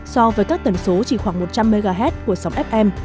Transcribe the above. so với các tần số chỉ khoảng một trăm linh mhz của sóng fm